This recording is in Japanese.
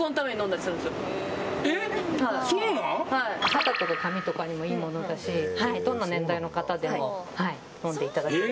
肌とか髪にもいいものだしどんな年代の方でも飲んでいただける。